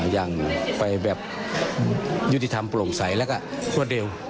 อย่างไปแบบยุติธรรมโปร่งใสแล้วก็รวดเร็ว